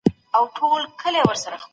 يو ساعت هم ډېر وخت دئ.